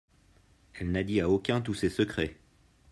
Elle n'a dit à aucun tous ses secrets.